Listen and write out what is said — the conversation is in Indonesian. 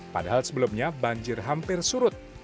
padahal sebelumnya banjir hampir surut